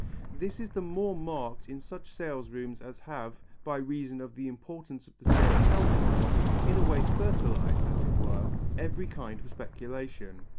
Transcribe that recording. This is the more marked in such sale rooms as have, by reason of the importance of the sales held in them, in a way fertilized, as it were, every kind of speculation.